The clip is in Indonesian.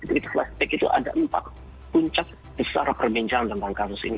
kita melihat spek itu ada empat puncak besar perbincangan tentang kasus ini